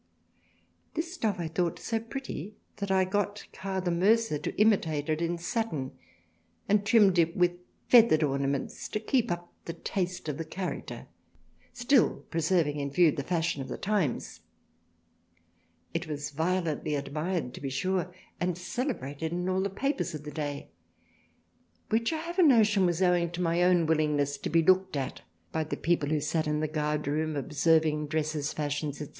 This stuff I thought so pretty that I got Carr the Mercer to imitate it in Satten ; and trimmed it with Feathered Ornaments to keep up the Taste of the Character, still preserving in View the Fashion of the Times. It was violently THRALIANA 35 admired to be sure, and celebrated in all the Papers of the Day, which I have a notion was owing to my own willingness to be looked at by the people who sat in the Guard Room observing Dresses Fashions &c.